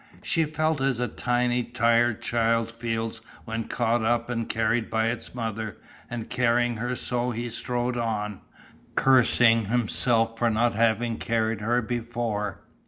She felt as a tiny tired child feels when caught up and carried by its mother, and carrying her so he strode on, cursing himself for not having carried her before.